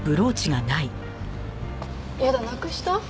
やだなくした？